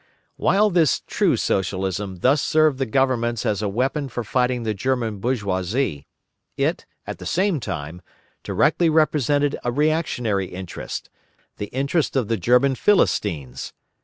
While this "True" Socialism thus served the governments as a weapon for fighting the German bourgeoisie, it, at the same time, directly represented a reactionary interest, the interest of the German Philistines.